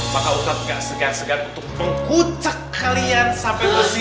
maka utang gak segan segan untuk mengkucak kalian sampai mesir